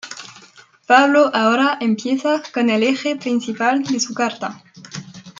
Pablo ahora empieza con el eje principal de su carta.